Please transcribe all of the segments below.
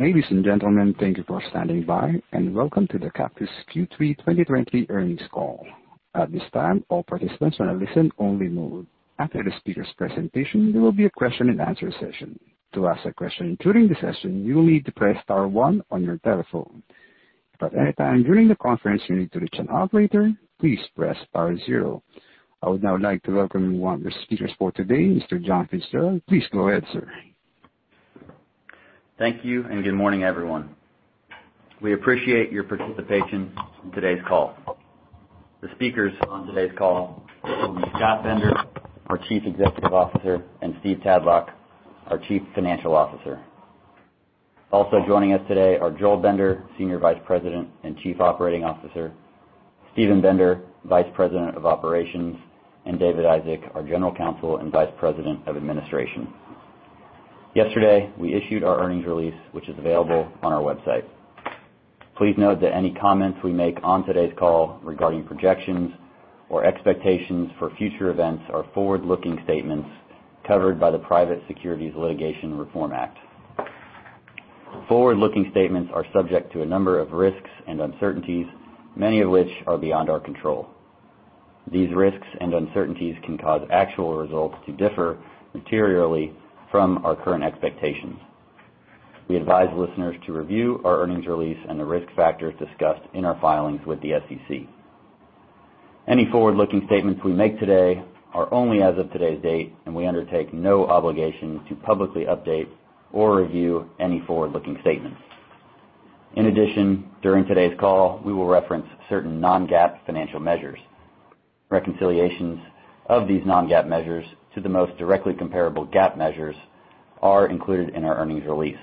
Ladies and gentlemen, thank you for standing by, and welcome to the Cactus Q3 2020 Earnings Call. At this time, all participants are in a listen-only mode. After the speaker's presentation, there will be a question and answer session. To ask a question during the session, you will need to press star one on your telephone. At any time during the conference you need to reach an operator, please press star zero. I would now like to welcome one of the speakers for today, Mr. John Fitzgerald. Please go ahead, sir. Thank you, and good morning, everyone. We appreciate your participation in today's call. The speakers on today's call will be Scott Bender, our Chief Executive Officer, and Steve Tadlock, our Chief Financial Officer. Also joining us today are Joel Bender, Senior Vice President and Chief Operating Officer, Steven Bender, Vice President of Operations, and David Isaac, our General Counsel and Vice President of Administration. Yesterday, we issued our earnings release, which is available on our website. Please note that any comments we make on today's call regarding projections or expectations for future events are forward-looking statements covered by the Private Securities Litigation Reform Act. Forward-looking statements are subject to a number of risks and uncertainties, many of which are beyond our control. These risks and uncertainties can cause actual results to differ materially from our current expectations. We advise listeners to review our earnings release and the risk factors discussed in our filings with the SEC. Any forward-looking statements we make today are only as of today's date, and we undertake no obligation to publicly update or review any forward-looking statements. In addition, during today's call, we will reference certain non-GAAP financial measures. Reconciliations of these non-GAAP measures to the most directly comparable GAAP measures are included in our earnings release.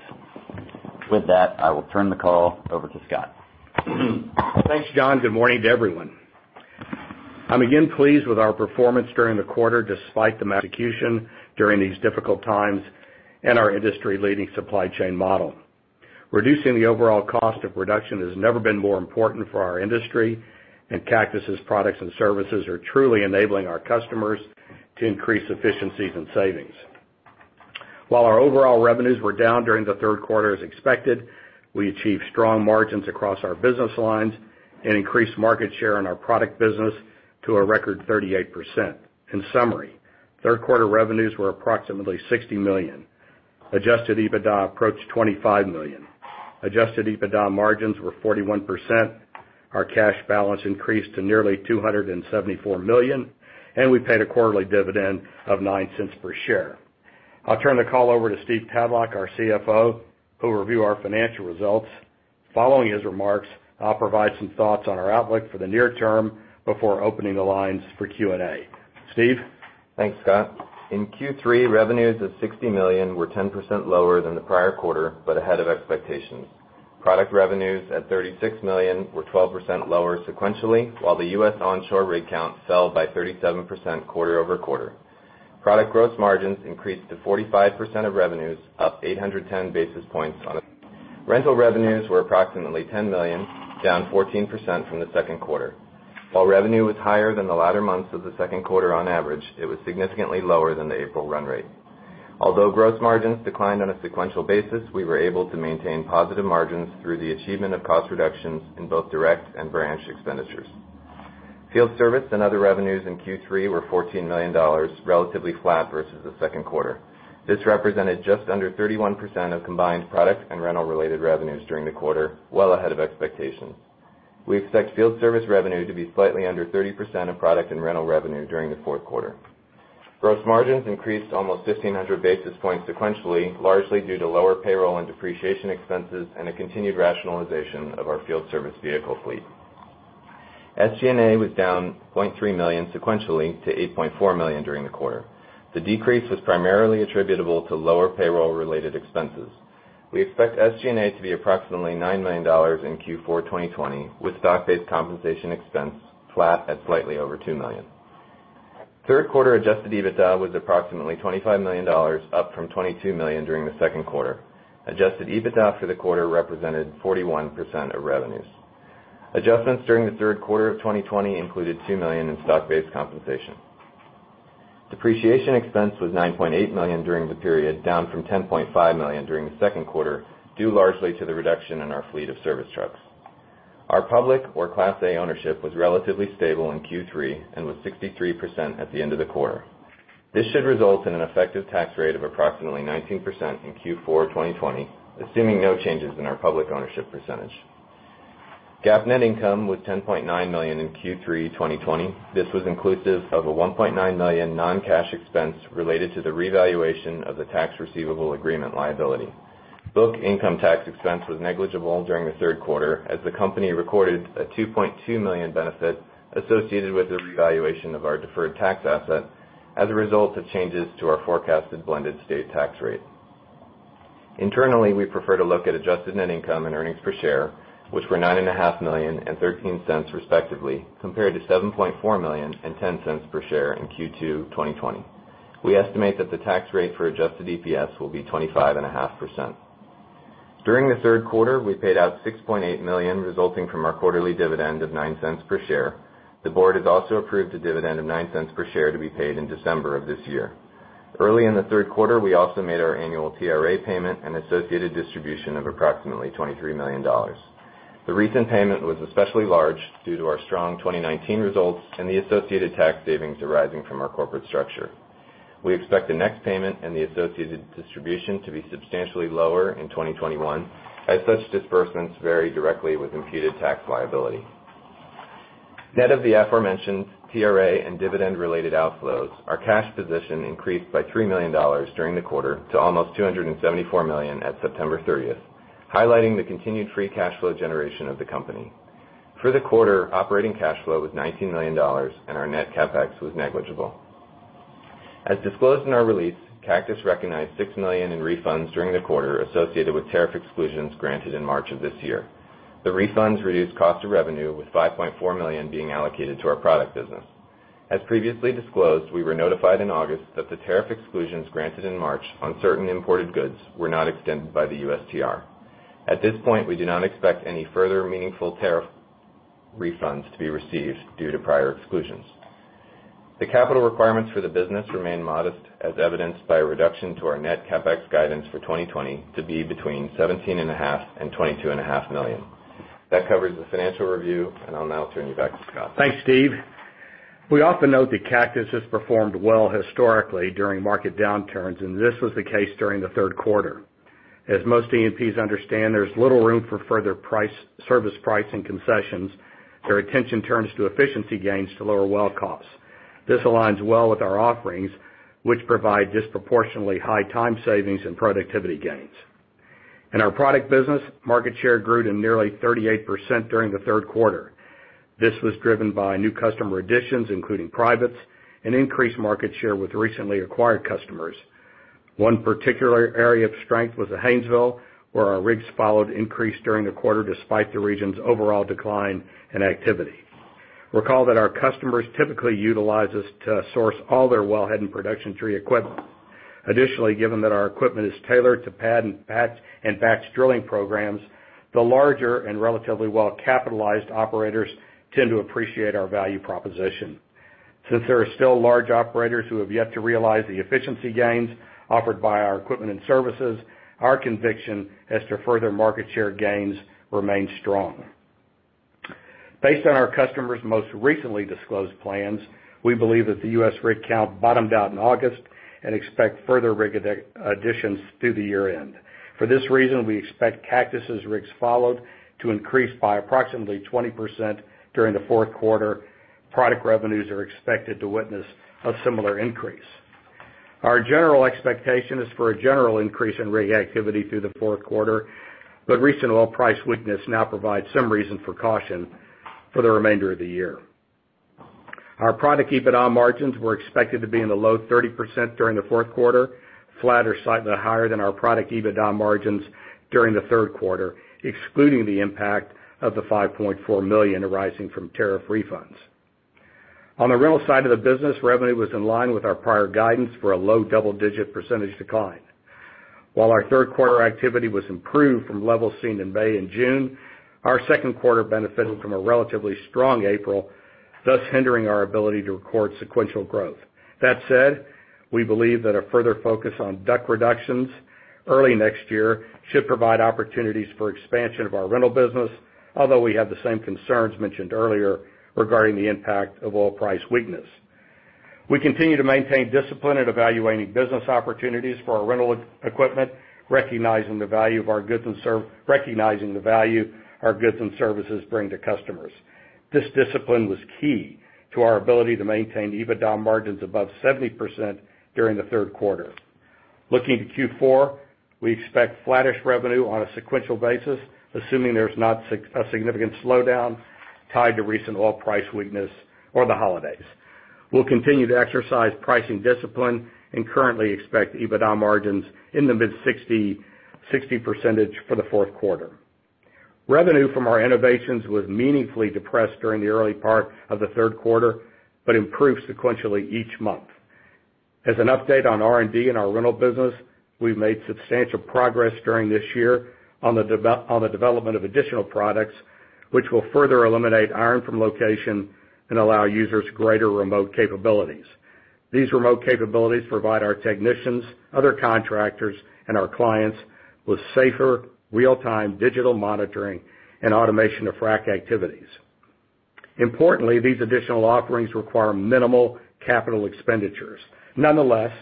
With that, I will turn the call over to Scott. Thanks, John. Good morning to everyone. I'm again pleased with our performance during the quarter despite the execution during these difficult times and our industry-leading supply chain model. Reducing the overall cost of production has never been more important for our industry and Cactus's products and services are truly enabling our customers to increase efficiencies and savings. While our overall revenues were down during the third quarter as expected, we achieved strong margins across our business lines and increased market share in our product business to a record 38%. In summary, third quarter revenues were approximately $60 million. Adjusted EBITDA approached $25 million. Adjusted EBITDA margins were 41%. Our cash balance increased to nearly $274 million, and we paid a quarterly dividend of $0.09 per share. I'll turn the call over to Steve Tadlock, our CFO, who'll review our financial results. Following his remarks, I'll provide some thoughts on our outlook for the near term before opening the lines for Q&A. Steve? Thanks, Scott. In Q3, revenues of $60 million were 10% lower than the prior quarter, but ahead of expectations. Product revenues at $36 million were 12% lower sequentially, while the U.S. onshore rig count fell by 37% quarter-over-quarter. Product gross margins increased to 45% of revenues, up 810 basis points. Rental revenues were approximately $10 million, down 14% from the second quarter. While revenue was higher than the latter months of the second quarter on average, it was significantly lower than the April run rate. Although gross margins declined on a sequential basis, we were able to maintain positive margins through the achievement of cost reductions in both direct and branch expenditures. Field service and other revenues in Q3 were $14 million, relatively flat versus the second quarter. This represented just under 31% of combined product and rental related revenues during the quarter, well ahead of expectations. We expect field service revenue to be slightly under 30% of product and rental revenue during the fourth quarter. Gross margins increased almost 1,500 basis points sequentially, largely due to lower payroll and depreciation expenses and a continued rationalization of our field service vehicle fleet. SG&A was down $0.3 million sequentially to $8.4 million during the quarter. The decrease was primarily attributable to lower payroll related expenses. We expect SG&A to be approximately $9 million in Q4 2020, with stock-based compensation expense flat at slightly over $2 million. Third quarter adjusted EBITDA was approximately $25 million, up from $22 million during the second quarter. Adjusted EBITDA for the quarter represented 41% of revenues. Adjustments during the third quarter of 2020 included $2 million in stock-based compensation. Depreciation expense was $9.8 million during the period, down from $10.5 million during the second quarter, due largely to the reduction in our fleet of service trucks. Our public or Class A ownership was relatively stable in Q3 and was 63% at the end of the quarter. This should result in an effective tax rate of approximately 19% in Q4 2020, assuming no changes in our public ownership percentage. GAAP net income was $10.9 million in Q3 2020. This was inclusive of a $1.9 million non-cash expense related to the revaluation of the tax receivable agreement liability. Book income tax expense was negligible during the third quarter as the company recorded a $2.2 million benefit associated with the revaluation of our deferred tax asset as a result of changes to our forecasted blended state tax rate. Internally, we prefer to look at adjusted net income and earnings per share, which were $9.5 million and $0.13 respectively, compared to $7.4 million and $0.10 per share in Q2 2020. We estimate that the tax rate for adjusted EPS will be 25.5%. During the third quarter, we paid out $6.8 million resulting from our quarterly dividend of $0.09 per share. The board has also approved a dividend of $0.09 per share to be paid in December of this year. Early in the third quarter, we also made our annual TRA payment and associated distribution of approximately $23 million. The recent payment was especially large due to our strong 2019 results and the associated tax savings arising from our corporate structure. We expect the next payment and the associated distribution to be substantially lower in 2021, as such disbursements vary directly with imputed tax liability. Net of the aforementioned TRA and dividend-related outflows, our cash position increased by $3 million during the quarter to almost $274 million at September 30th, highlighting the continued free cash flow generation of the company. For the quarter, operating cash flow was $19 million, and our net CapEx was negligible. As disclosed in our release, Cactus recognized $6 million in refunds during the quarter associated with tariff exclusions granted in March of this year. The refunds reduced cost of revenue, with $5.4 million being allocated to our product business. As previously disclosed, we were notified in August that the tariff exclusions granted in March on certain imported goods were not extended by the USTR. At this point, we do not expect any further meaningful tariff refunds to be received due to prior exclusions. The capital requirements for the business remain modest as evidenced by a reduction to our net CapEx guidance for 2020 to be between $17.5 million and $22.5 million. That covers the financial review. I'll now turn it back to Scott. Thanks, Steve. We often note that Cactus has performed well historically during market downturns, and this was the case during the third quarter. As most E&Ps understand, there's little room for further service price and concessions, their attention turns to efficiency gains to lower well costs. This aligns well with our offerings, which provide disproportionately high time savings and productivity gains. In our product business, market share grew to nearly 38% during the third quarter. This was driven by new customer additions, including privates and increased market share with recently acquired customers. One particular area of strength was the Haynesville, where our rigs followed increase during the quarter despite the region's overall decline in activity. Recall that our customers typically utilize us to source all their wellhead and production tree equipment. Additionally, given that our equipment is tailored to pad and batch drilling programs, the larger and relatively well-capitalized operators tend to appreciate our value proposition. Since there are still large operators who have yet to realize the efficiency gains offered by our equipment and services, our conviction as to further market share gains remains strong. Based on our customers' most recently disclosed plans, we believe that the U.S. rig count bottomed out in August and expect further rig additions through the year-end. For this reason, we expect Cactus's rigs followed to increase by approximately 20% during the fourth quarter. Product revenues are expected to witness a similar increase. Our general expectation is for a general increase in rig activity through the fourth quarter, but recent oil price weakness now provides some reason for caution for the remainder of the year. Our product EBITDA margins were expected to be in the low 30% during the fourth quarter, flat or slightly higher than our product EBITDA margins during the third quarter, excluding the impact of the $5.4 million arising from tariff refunds. On the rental side of the business, revenue was in line with our prior guidance for a low double-digit percentage decline. While our third quarter activity was improved from levels seen in May and June, our second quarter benefited from a relatively strong April, thus hindering our ability to record sequential growth. That said, we believe that a further focus on DUC reductions early next year should provide opportunities for expansion of our rental business, although we have the same concerns mentioned earlier regarding the impact of oil price weakness. We continue to maintain discipline at evaluating business opportunities for our rental equipment, recognizing the value our goods and services bring to customers. This discipline was key to our ability to maintain EBITDA margins above 70% during the third quarter. Looking to Q4, we expect flattish revenue on a sequential basis, assuming there's not a significant slowdown tied to recent oil price weakness or the holidays. We'll continue to exercise pricing discipline and currently expect EBITDA margins in the mid 60% for the fourth quarter. Revenue from our innovations was meaningfully depressed during the early part of the third quarter, but improved sequentially each month. As an update on R&D in our rental business, we've made substantial progress during this year on the development of additional products, which will further eliminate iron from location and allow users greater remote capabilities. These remote capabilities provide our technicians, other contractors, and our clients with safer, real-time digital monitoring and automation of frac activities. Importantly, these additional offerings require minimal capital expenditures. Nonetheless,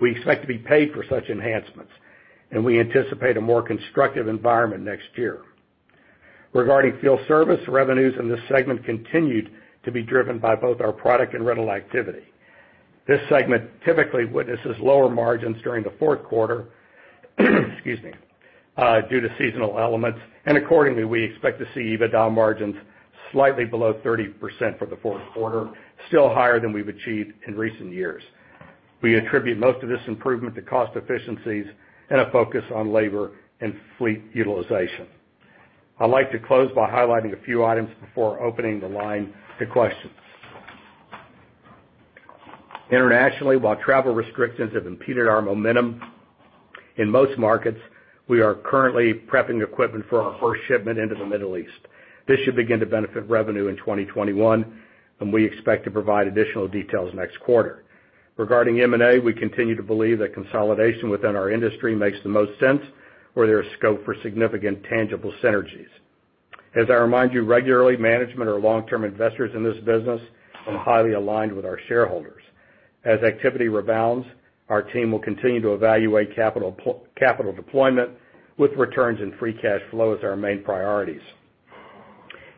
we expect to be paid for such enhancements, and we anticipate a more constructive environment next year. Regarding field service, revenues in this segment continued to be driven by both our product and rental activity. This segment typically witnesses lower margins during the fourth quarter due to seasonal elements, and accordingly, we expect to see EBITDA margins slightly below 30% for the fourth quarter, still higher than we've achieved in recent years. We attribute most of this improvement to cost efficiencies and a focus on labor and fleet utilization. I'd like to close by highlighting a few items before opening the line to questions. Internationally, while travel restrictions have impeded our momentum, in most markets, we are currently prepping equipment for our first shipment into the Middle East. This should begin to benefit revenue in 2021, and we expect to provide additional details next quarter. Regarding M&A, we continue to believe that consolidation within our industry makes the most sense where there is scope for significant tangible synergies. As I remind you regularly, management are long-term investors in this business and highly aligned with our shareholders. As activity rebounds, our team will continue to evaluate capital deployment with returns and free cash flow as our main priorities.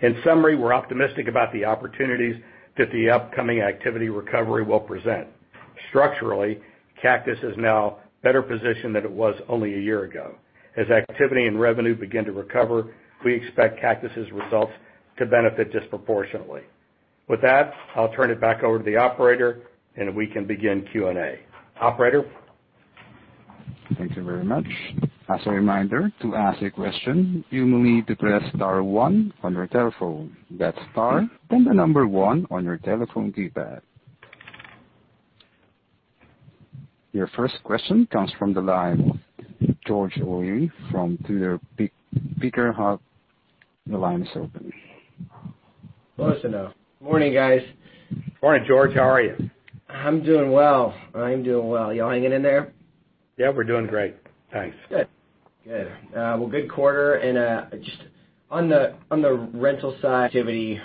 In summary, we're optimistic about the opportunities that the upcoming activity recovery will present. Structurally, Cactus is now better positioned than it was only one year ago. As activity and revenue begin to recover, we expect Cactus' results to benefit disproportionately. With that, I'll turn it back over to the operator. We can begin Q&A. Operator? Thank you very much. As a reminder, to ask a question, you will need to press star one on your telephone. That's star, then the number one on your telephone keypad. Your first question comes from the line of George O'Leary from Tudor, Pickering, Holt. Your line is open. Morning, guys. Morning, George. How are you? I'm doing well. You all hanging in there? Yeah, we're doing great. Thanks. Good. Well, good quarter. Just on the rental side, activity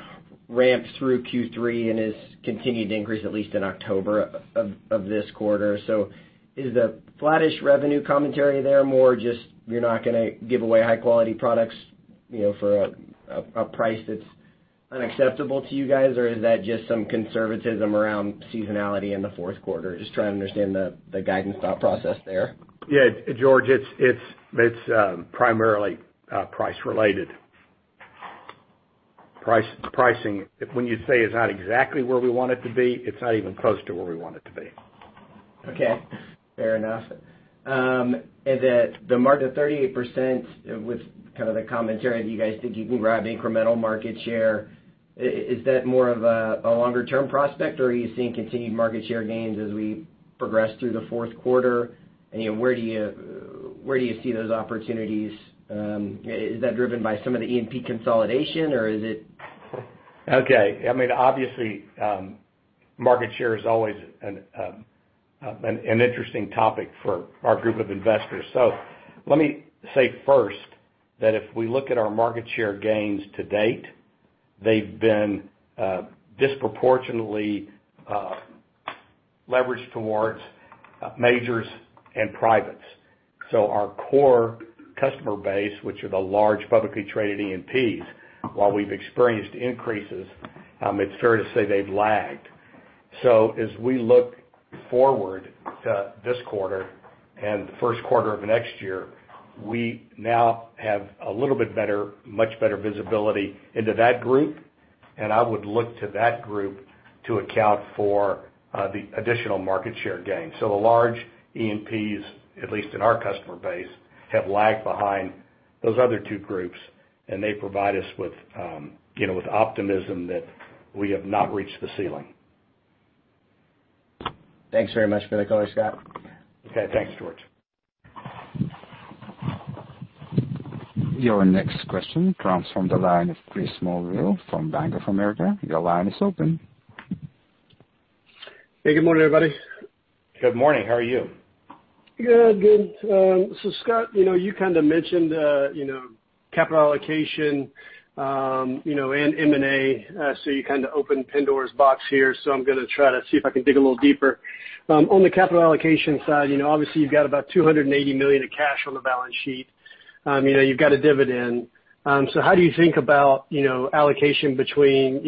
ramped through Q3 and has continued to increase at least in October of this quarter. Is the flattish revenue commentary there more just you're not going to give away high-quality products for a price that's unacceptable to you guys? Is that just some conservatism around seasonality in the fourth quarter? Just trying to understand the guidance thought process there. Yeah, George, it's primarily price related. Pricing, when you say is not exactly where we want it to be, it's not even close to where we want it to be. Okay. Fair enough. The margin of 38% with kind of the commentary, do you guys think you can grab incremental market share? Is that more of a longer-term prospect, or are you seeing continued market share gains as we progress through the fourth quarter? Where do you see those opportunities? Is that driven by some of the E&P consolidation, or is it? Okay. Obviously, market share is always an interesting topic for our group of investors. Let me say first that if we look at our market share gains to date, they've been disproportionately leveraged towards majors and privates. Our core customer base, which are the large publicly traded E&Ps, while we've experienced increases, it's fair to say they've lagged. As we look forward to this quarter and the first quarter of next year, we now have a little bit better, much better visibility into that group, and I would look to that group to account for the additional market share gains. The large E&Ps, at least in our customer base, have lagged behind those other two groups, and they provide us with optimism that we have not reached the ceiling. Thanks very much for the color, Scott. Okay. Thanks, George. Your next question comes from the line of Chase Mulvehill from Bank of America. Your line is open. Hey, good morning, everybody. Good morning. How are you? Good. Scott, you kind of mentioned capital allocation, and M&A, you kind of opened Pandora's box here, I'm going to try to see if I can dig a little deeper. On the capital allocation side, obviously you've got about $280 million of cash on the balance sheet. You've got a dividend. How do you think about allocation between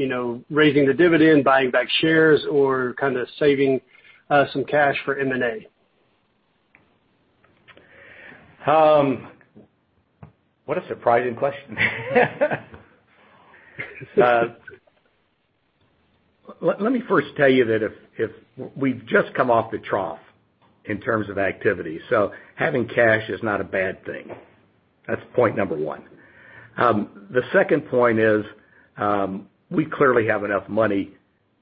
raising the dividend, buying back shares, or kind of saving some cash for M&A? What a surprising question. Let me first tell you that we've just come off the trough in terms of activity. Having cash is not a bad thing. That's point number one. The second point is, we clearly have enough money,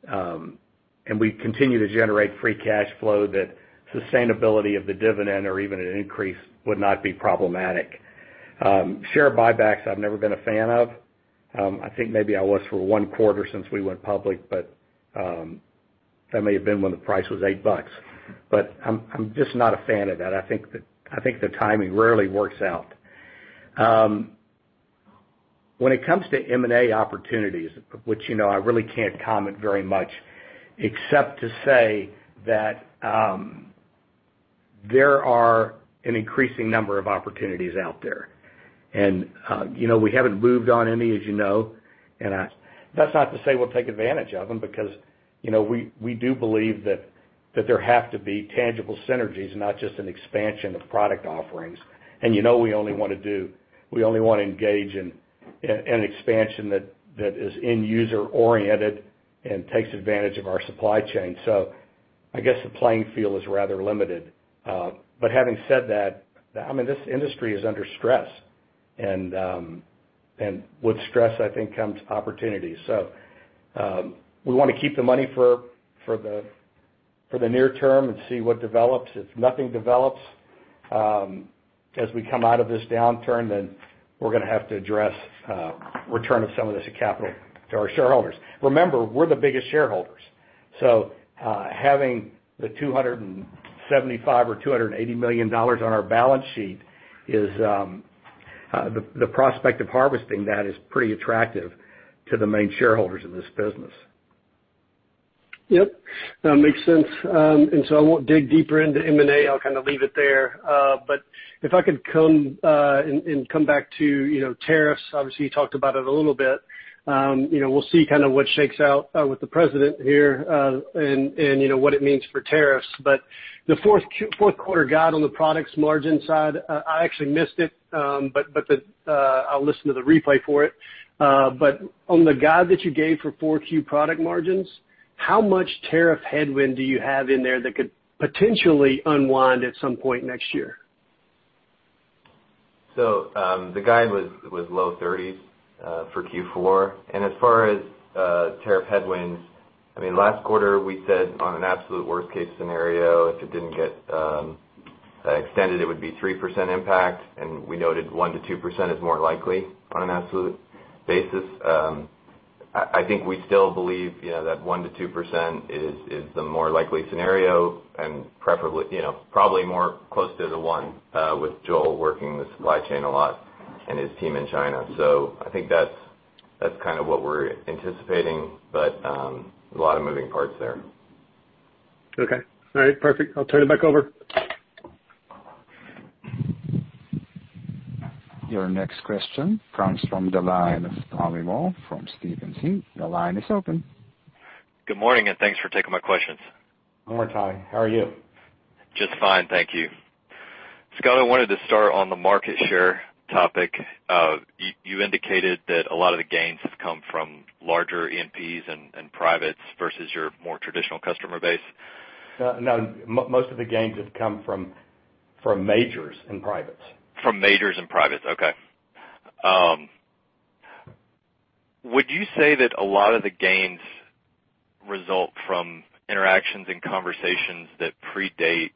and we continue to generate free cash flow, that sustainability of the dividend or even an increase would not be problematic. Share buybacks, I've never been a fan of. I think maybe I was for one quarter since we went public, That may have been when the price was $8. I'm just not a fan of that. I think the timing rarely works out. When it comes to M&A opportunities, which you know I really can't comment very much except to say that there are an increasing number of opportunities out there. We haven't moved on any, as you know, and that's not to say we'll take advantage of them because we do believe that there have to be tangible synergies, not just an expansion of product offerings. You know we only want to engage in an expansion that is end-user oriented and takes advantage of our supply chain. I guess the playing field is rather limited. Having said that, this industry is under stress. With stress, I think comes opportunity. We want to keep the money for the near term and see what develops. If nothing develops, as we come out of this downturn, then we're going to have to address return of some of this capital to our shareholders. Remember, we're the biggest shareholders, so having the $275 million or $280 million on our balance sheet, the prospect of harvesting that is pretty attractive to the main shareholders of this business. Yep. That makes sense. I won't dig deeper into M&A, I'll kind of leave it there. If I could come back to tariffs. Obviously, you talked about it a little bit. We'll see what shakes out with the president here, and what it means for tariffs. The fourth quarter guide on the products margin side, I actually missed it, but I'll listen to the replay for it. On the guide that you gave for 4Q product margins, how much tariff headwind do you have in there that could potentially unwind at some point next year? The guide was low 30s for Q4. As far as tariff headwinds, last quarter we said on an absolute worst case scenario, if it didn't get extended, it would be 3% impact, and we noted 1%-2% is more likely on an absolute basis. I think we still believe that 1%-2% is the more likely scenario and probably more close to the 1%, with Joel working the supply chain a lot and his team in China. I think that's kind of what we're anticipating, but there's a lot of moving parts there. Okay. All right, perfect. I'll turn it back over. Your next question comes from the line of Tommy Moll from Stephens Inc. Your line is open. Good morning, and thanks for taking my questions. Good morning, Tommy. How are you? Just fine, thank you. Scott, I wanted to start on the market share topic. You indicated that a lot of the gains have come from larger E&Ps and privates versus your more traditional customer base. No, most of the gains have come from majors and privates. From majors and privates. Okay. Would you say that a lot of the gains result from interactions and conversations that predate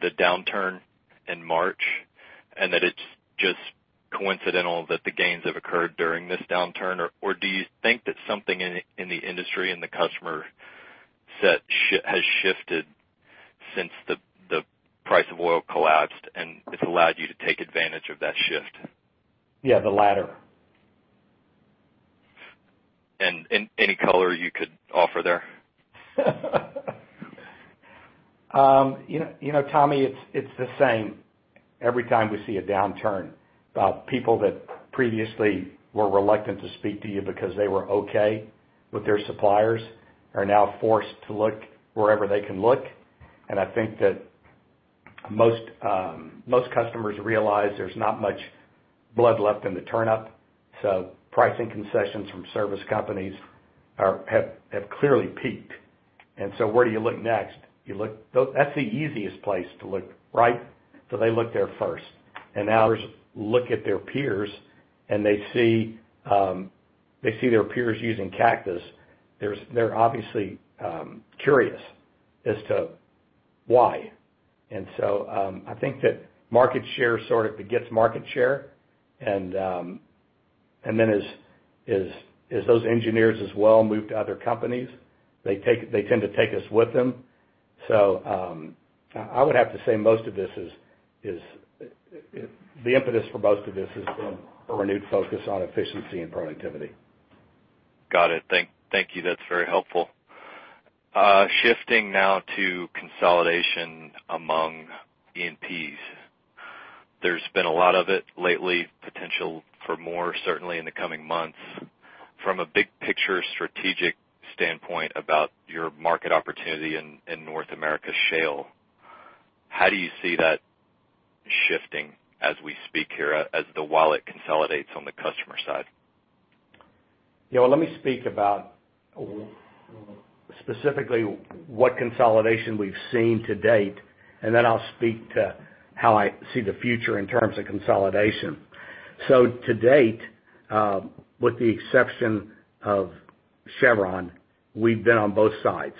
the downturn in March, and that it's just coincidental that the gains have occurred during this downturn? Do you think that something in the industry and the customer set has shifted since the price of oil collapsed, and it's allowed you to take advantage of that shift? Yeah, the latter. Any color you could offer there? Tommy, it's the same every time we see a downturn. People that previously were reluctant to speak to you because they were okay with their suppliers are now forced to look wherever they can look. I think that most customers realize there's not much blood left in the turnip. Pricing concessions from service companies have clearly peaked. Where do you look next? That's the easiest place to look, right? They look there first. Now, look at their peers and they see their peers using Cactus. They're obviously curious as to why. I think that market share sort of begets market share. As those engineers as well move to other companies, they tend to take us with them. I would have to say the impetus for most of this has been a renewed focus on efficiency and productivity. Got it. Thank you. That's very helpful. Shifting now to consolidation among E&Ps. There's been a lot of it lately, potential for more, certainly in the coming months. From a big picture strategic standpoint about your market opportunity in North America shale, how do you see that shifting as we speak here, as the wallet consolidates on the customer side? Let me speak about specifically what consolidation we've seen to date, and then I'll speak to how I see the future in terms of consolidation. To date, with the exception of Chevron, we've been on both sides.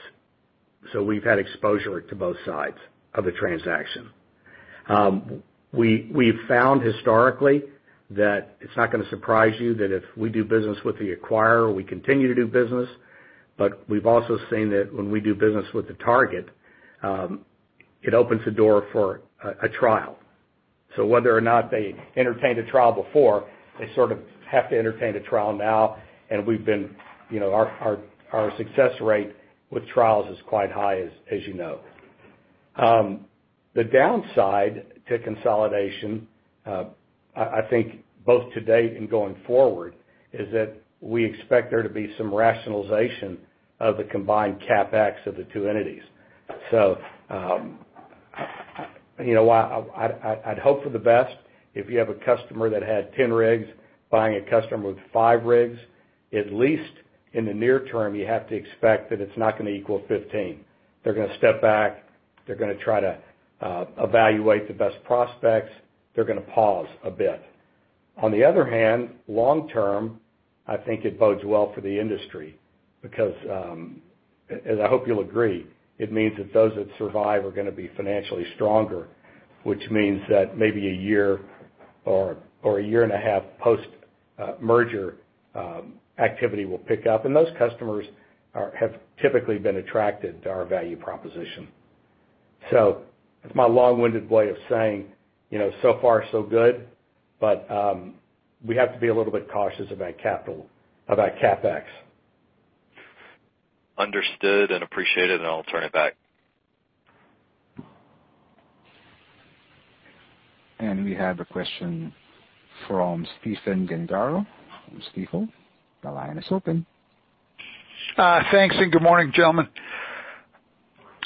We've had exposure to both sides of the transaction. We've found historically that it's not going to surprise you that if we do business with the acquirer, we continue to do business. We've also seen that when we do business with the target, it opens the door for a trial. Whether or not they entertained a trial before, they sort of have to entertain a trial now, and our success rate with trials is quite high, as you know. The downside to consolidation, I think both to date and going forward, is that we expect there to be some rationalization of the combined CapEx of the two entities. I'd hope for the best. If you have a customer that had 10 rigs buying a customer with five rigs, at least in the near term, you have to expect that it's not going to equal 15. They're going to step back. They're going to try to evaluate the best prospects. They're going to pause a bit. On the other hand, long term, I think it bodes well for the industry because, as I hope you'll agree, it means that those that survive are going to be financially stronger, which means that maybe a year or a year and a half post-merger, activity will pick up, and those customers have typically been attracted to our value proposition. That's my long-winded way of saying, so far so good, but we have to be a little bit cautious about CapEx. Understood and appreciated. I'll turn it back. We have a question from Stephen Gengaro from Stifel. The line is open. Thanks, good morning, gentlemen.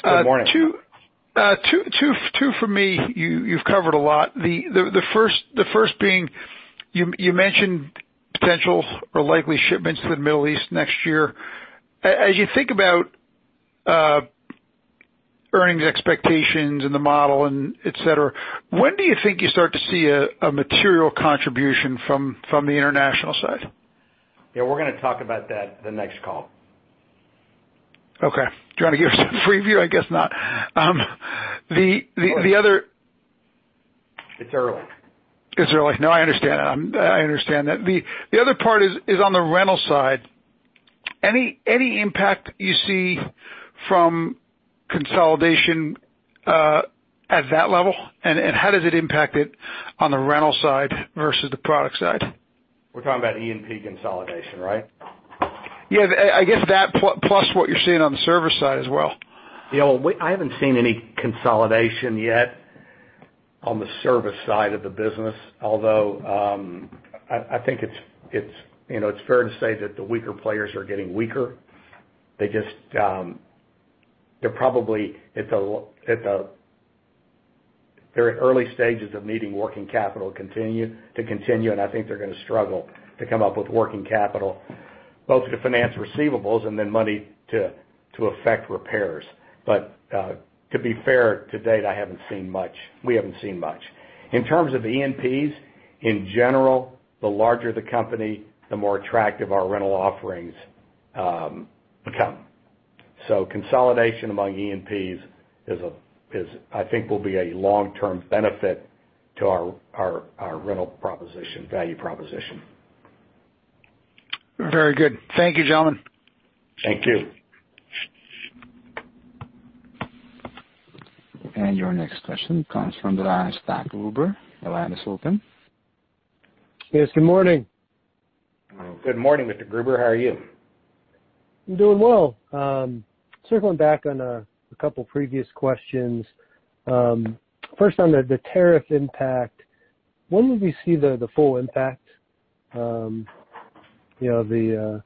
Good morning. Two from me. You've covered a lot. The first being, you mentioned potential or likely shipments to the Middle East next year. As you think about earnings expectations and the model and et cetera, when do you think you start to see a material contribution from the international side? Yeah, we're going to talk about that the next call. Okay. Do you want to give us a preview? I guess not. It's early. It's early. No, I understand that. The other part is on the rental side. Any impact you see from consolidation at that level, and how does it impact it on the rental side versus the product side? We're talking about E&P consolidation, right? Yeah, I guess that plus what you're seeing on the service side as well. I haven't seen any consolidation yet on the service side of the business, although I think it's fair to say that the weaker players are getting weaker. They're at early stages of needing working capital to continue, and I think they're going to struggle to come up with working capital, both to finance receivables and then money to affect repairs. To be fair, to date, we haven't seen much. In terms of the E&Ps, in general, the larger the company, the more attractive our rental offerings become. Consolidation among E&Ps, I think will be a long-term benefit to our rental value proposition. Very good. Thank you, gentlemen. Thank you. Your next question comes from the line of Scott Gruber. Your line is open. Yes, good morning. Good morning, Mr. Gruber. How are you? I'm doing well. Circling back on a couple previous questions. First on the tariff impact, when would we see the full impact of the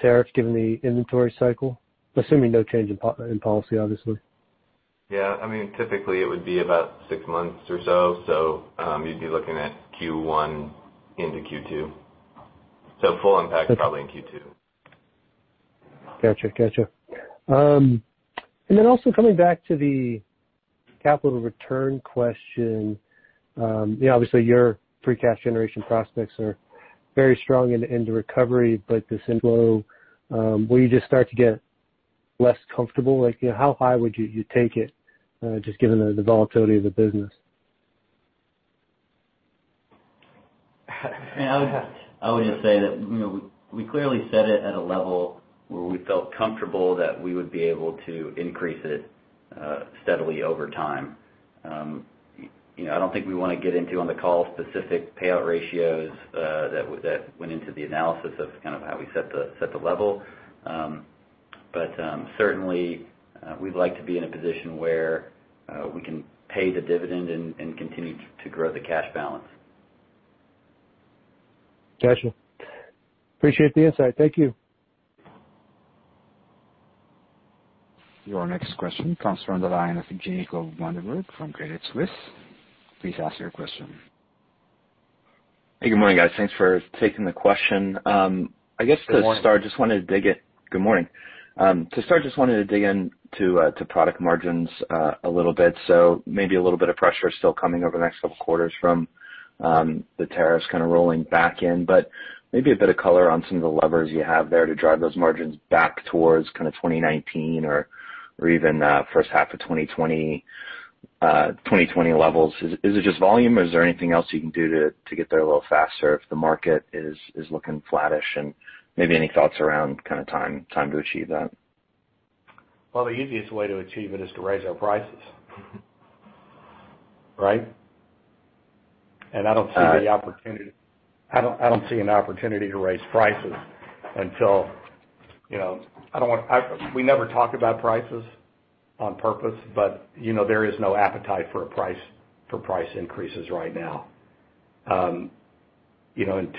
tariffs given the inventory cycle? Assuming no change in policy, obviously. Yeah. Typically, it would be about six months or so you'd be looking at Q1 into Q2. Full impact probably in Q2. Got you. Also coming back to the capital return question. Obviously, your free cash generation prospects are very strong in the recovery, but this inflow, will you just start to get less comfortable? How high would you take it, just given the volatility of the business? I would just say that we clearly set it at a level where we felt comfortable that we would be able to increase it steadily over time. I don't think we want to get into, on the call, specific payout ratios that went into the analysis of kind of how we set the level. Certainly, we'd like to be in a position where we can pay the dividend and continue to grow the cash balance. Got you. Appreciate the insight. Thank you. Your next question comes from the line of Jannick Vandenberg from Credit Suisse. Please ask your question. Hey, good morning, guys. Thanks for taking the question. Good morning. Good morning. To start, just wanted to dig into product margins a little bit. Maybe a little bit of pressure still coming over the next couple of quarters from the tariffs kind of rolling back in. Maybe a bit of color on some of the levers you have there to drive those margins back towards kind of 2019 or even first half of 2020 levels. Is it just volume or is there anything else you can do to get there a little faster if the market is looking flattish? Maybe any thoughts around time to achieve that? Well, the easiest way to achieve it is to raise our prices, right? I don't see an opportunity to raise prices. We never talk about prices on purpose, but there is no appetite for price increases right now. I'm looking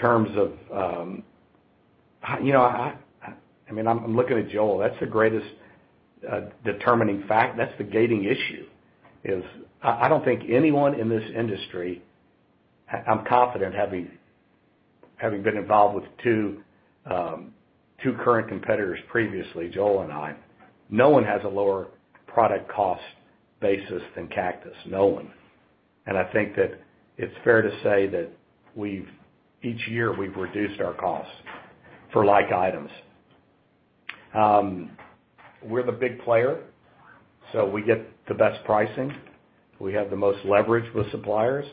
at Joel. That's the greatest determining fact. That's the gating issue is I don't think anyone in this industry, I'm confident, Having been involved with two current competitors previously, Joel and I, no one has a lower product cost basis than Cactus. No one. I think that it's fair to say that each year we've reduced our costs for like items. We're the big player, so we get the best pricing. We have the most leverage with suppliers.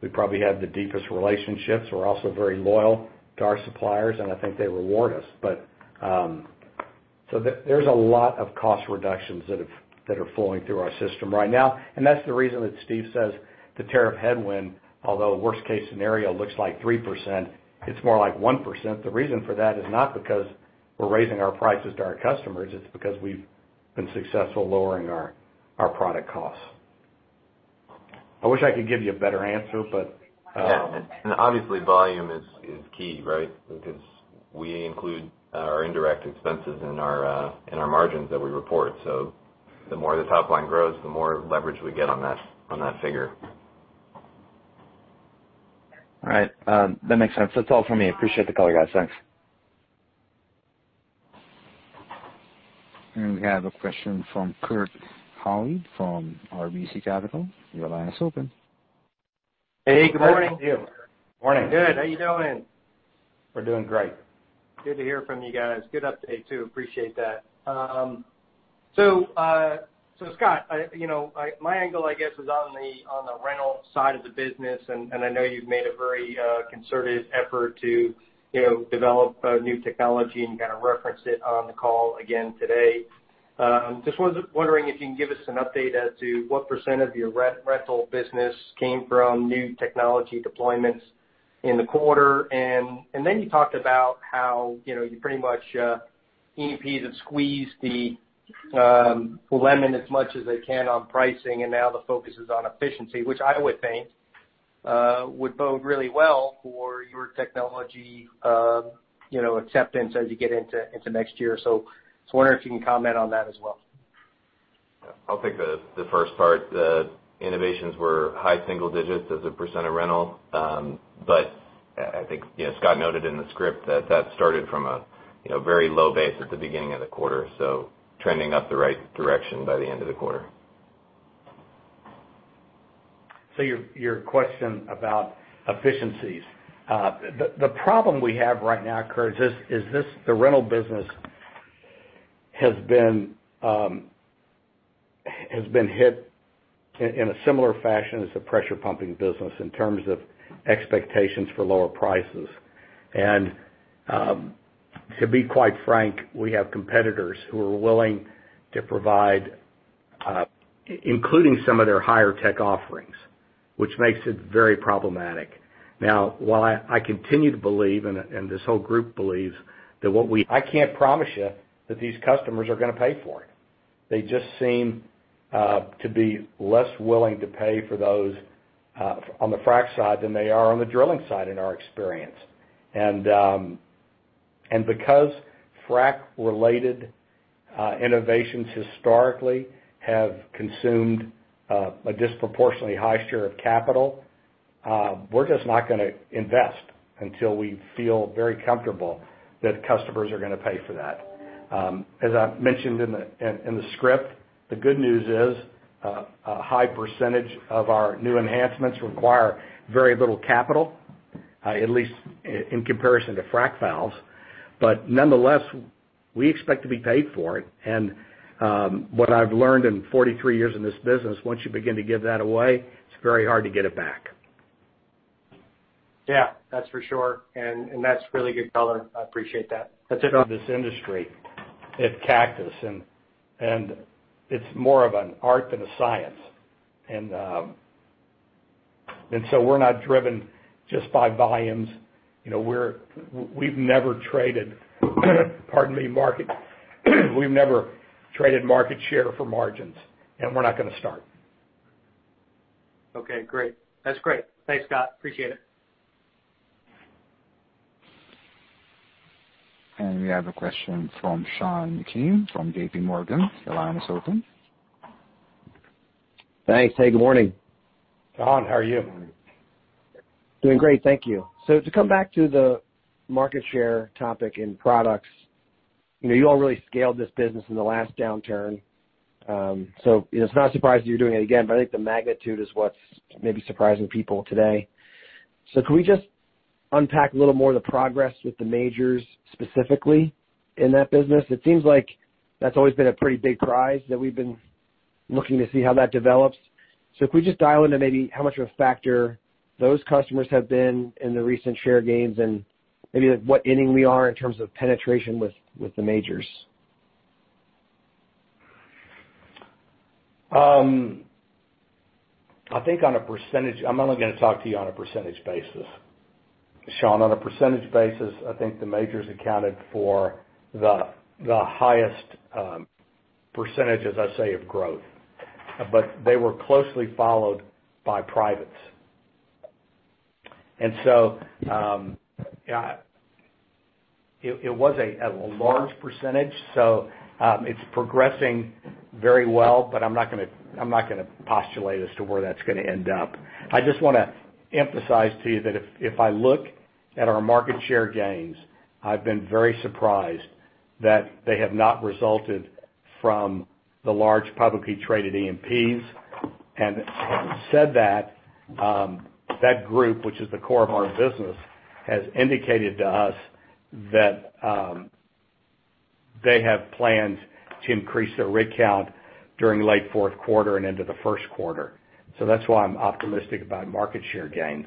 We probably have the deepest relationships. We're also very loyal to our suppliers, and I think they reward us. There's a lot of cost reductions that are flowing through our system right now, and that's the reason that Steve says the tariff headwind, although worst case scenario looks like 3%, it's more like 1%. The reason for that is not because we're raising our prices to our customers. It's because we've been successful lowering our product costs. I wish I could give you a better answer. Yeah. Obviously volume is key, right? Because we include our indirect expenses in our margins that we report. The more the top line grows, the more leverage we get on that figure. All right. That makes sense. That's all for me. Appreciate the call, guys. Thanks. We have a question from Kurt Hallead from RBC Capital. Your line is open. Hey, good morning. How are you? Morning. Good. How you doing? We're doing great. Good to hear from you guys. Good update, too. Appreciate that. Scott, my angle, I guess, is on the rental side of the business, and I know you've made a very concerted effort to develop a new technology, and you kind of referenced it on the call again today. Just was wondering if you can give us an update as to what percent of your rental business came from new technology deployments in the quarter. You talked about how you pretty much E&P have squeezed the lemon as much as they can on pricing, and now the focus is on efficiency, which I would think would bode really well for your technology acceptance as you get into next year. I was wondering if you can comment on that as well. I'll take the first part. The innovations were high single digits as a percent of rental. I think Scott noted in the script that that started from a very low base at the beginning of the quarter, so trending up the right direction by the end of the quarter. Your question about efficiencies. The problem we have right now, Kurt, is this, the rental business has been hit in a similar fashion as the pressure pumping business in terms of expectations for lower prices. To be quite frank, we have competitors who are willing to provide, including some of their higher tech offerings, which makes it very problematic. Now, while I continue to believe, and this whole group believes that what I can't promise you that these customers are going to pay for it. They just seem to be less willing to pay for those on the frac side than they are on the drilling side, in our experience. Because frac-related innovations historically have consumed a disproportionately high share of capital, we're just not going to invest until we feel very comfortable that customers are going to pay for that. As I mentioned in the script, the good news is a high percentage of our new enhancements require very little capital, at least in comparison to frac valves. Nonetheless, we expect to be paid for it. What I've learned in 43 years in this business, once you begin to give that away, it's very hard to get it back. Yeah, that's for sure. That's really good color. I appreciate that. That's it. This industry at Cactus, and it's more of an art than a science. We're not driven just by volumes. We've never traded, pardon me, we've never traded market share for margins, and we're not going to start. Okay, great. That's great. Thanks, Scott. Appreciate it. We have a question from Sean Meakim from JPMorgan. Your line is open. Thanks. Hey, good morning. Sean, how are you? Doing great. Thank you. To come back to the market share topic in products, you all really scaled this business in the last downturn. It's not surprising you're doing it again, but I think the magnitude is what's maybe surprising people today. Could we just unpack a little more of the progress with the majors specifically in that business? It seems like that's always been a pretty big prize that we've been looking to see how that develops. If we just dial into maybe how much of a factor those customers have been in the recent share gains and maybe what inning we are in terms of penetration with the majors. I think on a percentage, I'm only going to talk to you on a percentage basis. Sean, on a percentage basis, I think the majors accounted for the highest percentage, as I say, of growth. They were closely followed by privates. Yeah, it was a large percentage, so it's progressing very well, but I'm not going to postulate as to where that's going to end up. I just want to emphasize to you that if I look at our market share gains, I've been very surprised that they have not resulted from the large publicly traded E&Ps. Having said that group, which is the core of our business, has indicated to us that they have plans to increase their rig count during late fourth quarter and into the first quarter. That's why I'm optimistic about market share gains.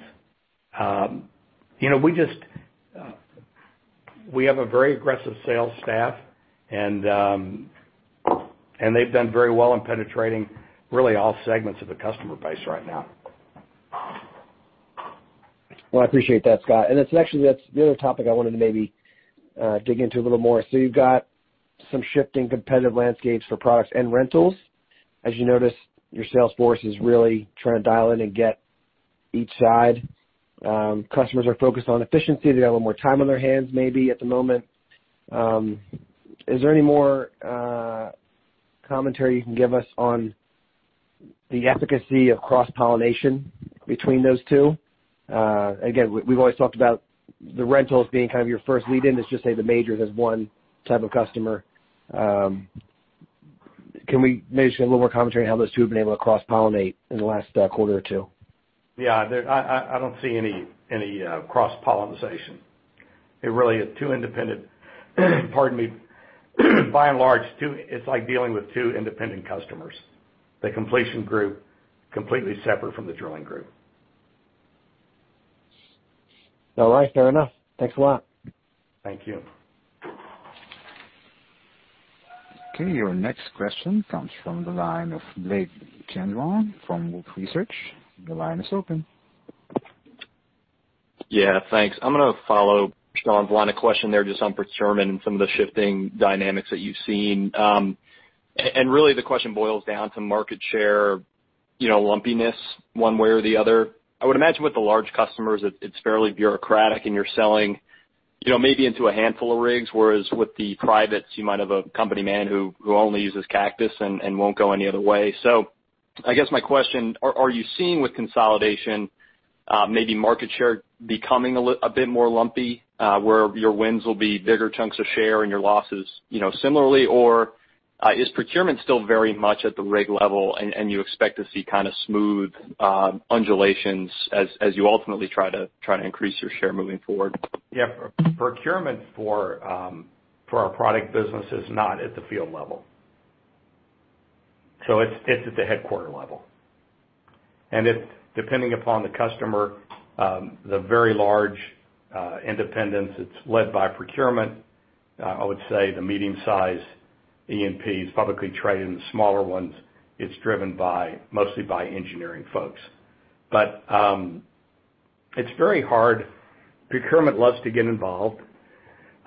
We have a very aggressive sales staff and they've done very well in penetrating really all segments of the customer base right now. Well, I appreciate that, Scott. Actually, that's the other topic I wanted to maybe dig into a little more. You've got some shifting competitive landscapes for products and rentals. As you notice, your sales force is really trying to dial in and get each side. Customers are focused on efficiency. They have a little more time on their hands, maybe at the moment. Is there any more commentary you can give us on the efficacy of cross-pollination between those two? Again, we've always talked about the rentals being kind of your first lead-in. Let's just say the majors as type 1 customer. Can we maybe get a little more commentary on how those two have been able to cross-pollinate in the last quarter or two? Yeah, I don't see any cross-pollination. Pardon me. By and large, it's like dealing with two independent customers. The completion group, completely separate from the drilling group. All right. Fair enough. Thanks a lot. Thank you. Okay, your next question comes from the line of Blake Chandron from Wolfe Research. Your line is open. Yeah, thanks. I'm gonna follow Sean's line of question there just on procurement and some of the shifting dynamics that you've seen. Really the question boils down to market share lumpiness one way or the other. I would imagine with the large customers, it's fairly bureaucratic and you're selling maybe into a handful of rigs, whereas with the privates, you might have a company man who only uses Cactus and won't go any other way. I guess my question, are you seeing with consolidation maybe market share becoming a bit more lumpy, where your wins will be bigger chunks of share and your losses similarly? Or is procurement still very much at the rig level and you expect to see kind of smooth undulations as you ultimately try to increase your share moving forward? Yeah. Procurement for our product business is not at the field level. It's at the headquarter level. Depending upon the customer, the very large independents, it's led by procurement. I would say the medium size E&Ps, publicly traded and the smaller ones, it's driven mostly by engineering folks. It's very hard. Procurement loves to get involved.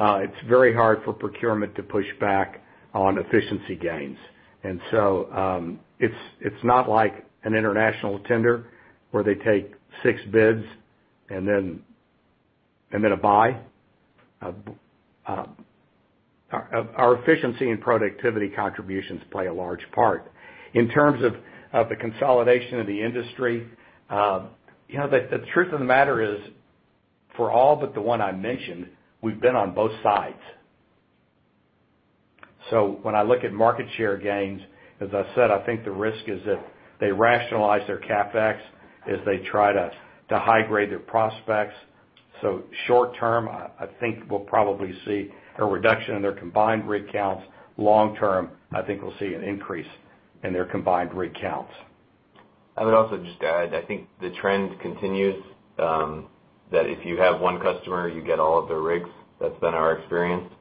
It's very hard for procurement to push back on efficiency gains. It's not like an international tender where they take six bids and then a buy. Our efficiency and productivity contributions play a large part. In terms of the consolidation of the industry, the truth of the matter is, for all but the one I mentioned, we've been on both sides. When I look at market share gains, as I said, I think the risk is if they rationalize their CapEx, is they try to high grade their prospects. Short term, I think we'll probably see a reduction in their combined rig counts. Long term, I think we'll see an increase in their combined rig counts. I would also just add, I think the trend continues, that if you have one customer, you get all of their rigs. That's been our experience.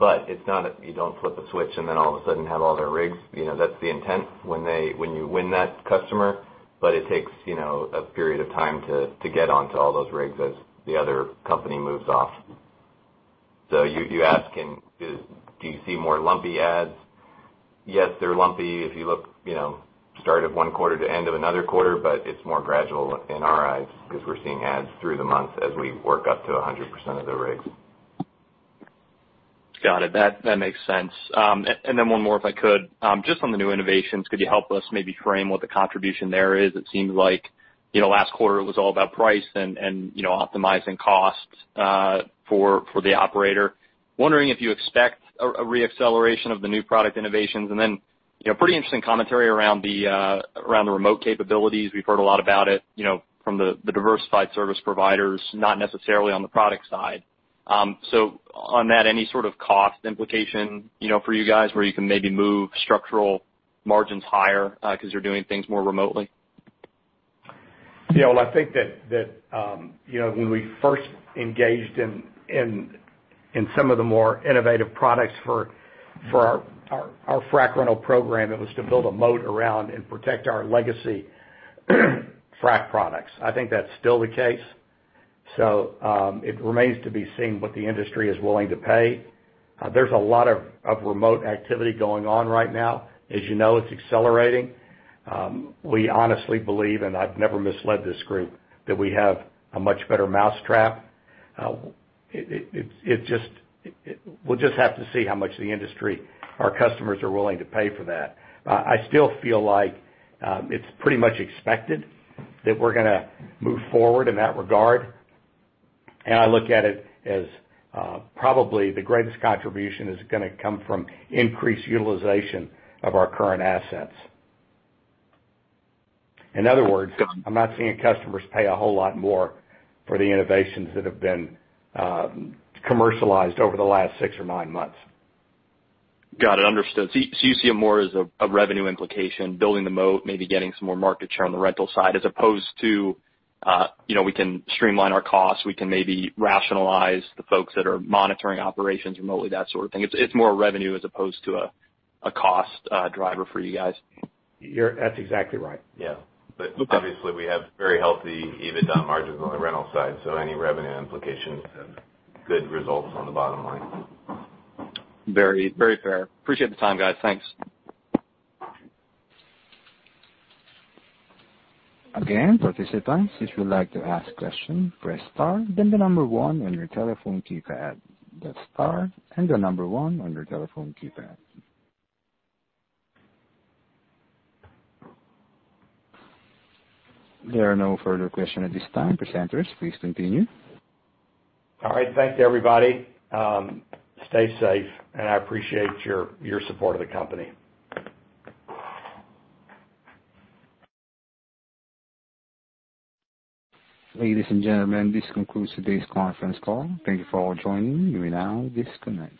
It's not that you don't flip a switch and then all of a sudden have all their rigs. That's the intent when you win that customer, it takes a period of time to get onto all those rigs as the other company moves off. You ask, do you see more lumpy adds? Yes, they're lumpy if you look start of one quarter to end of another quarter, but it's more gradual in our eyes because we're seeing adds through the months as we work up to 100% of the rigs. Got it. That makes sense. Then one more, if I could. Just on the new innovations, could you help us maybe frame what the contribution there is? It seems like last quarter was all about price and optimizing costs for the operator. Wondering if you expect a re-acceleration of the new product innovations. Then, pretty interesting commentary around the remote capabilities. We've heard a lot about it from the diversified service providers, not necessarily on the product side. On that, any sort of cost implication for you guys where you can maybe move structural margins higher because you're doing things more remotely? Well, I think that when we first engaged in some of the more innovative products for our frac rental program, it was to build a moat around and protect our legacy frac products. I think that's still the case. It remains to be seen what the industry is willing to pay. There's a lot of remote activity going on right now. As you know, it's accelerating. We honestly believe, and I've never misled this group, that we have a much better mousetrap. We'll just have to see how much the industry, our customers, are willing to pay for that. I still feel like it's pretty much expected that we're going to move forward in that regard, and I look at it as probably the greatest contribution is going to come from increased utilization of our current assets. In other words, I'm not seeing customers pay a whole lot more for the innovations that have been commercialized over the last six or nine months. Got it. Understood. You see it more as a revenue implication, building the moat, maybe getting some more market share on the rental side as opposed to, we can streamline our costs, we can maybe rationalize the folks that are monitoring operations remotely, that sort of thing. It's more revenue as opposed to a cost driver for you guys. That's exactly right. Yeah. Obviously we have very healthy EBITDA margins on the rental side, so any revenue implications have good results on the bottom line. Very fair. Appreciate the time, guys. Thanks. Again, participants, if you would like to ask question, press star, then the number one on your telephone keypad. That's star and the number one on your telephone keypad. There are no further question at this time. Presenters, please continue. All right. Thanks, everybody. Stay safe, and I appreciate your support of the company. Ladies and gentlemen, this concludes today's conference call. Thank you for all joining. You may now disconnect.